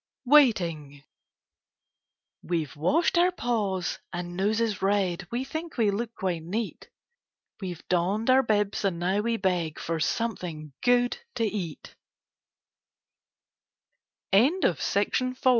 WAITING We've washed our paws and noses red; We think we look quite neat; We've donned our bibs, and now we beg For something good t